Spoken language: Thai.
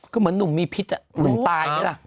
ก็เหมือนนุ่มมีพิษอ่ะเหมือนตายนี่ล่ะ